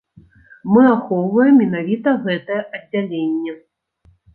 Мы ахоўваем менавіта гэтае аддзяленне.